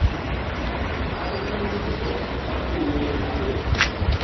Angi nyithindo ma jowuoi adek.